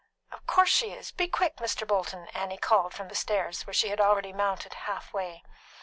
"Of course she is. Be quick, Mr. Bolton!" Annie called from the stairs, which she had already mounted half way.